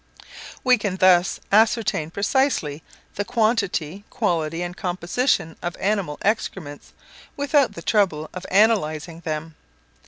We can thus ascertain precisely the quantity, quality, and composition of animal excrements, without the trouble of analysing them.